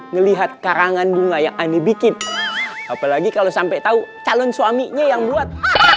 ngelihat karangan bunga yang ani bikin apalagi kalau sampai tahu calon suaminya yang buat